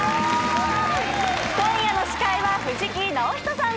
今夜の司会は藤木直人さん